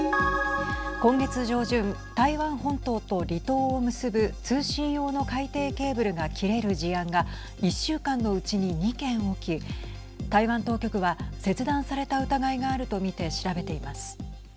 今月上旬、台湾本島と離島を結ぶ通信用の海底ケーブルが切れる事案が１週間のうちに２件起き台湾当局は切断された疑いがあると見て調べています。